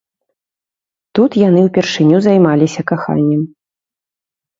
Тут яны ўпершыню займаліся каханнем.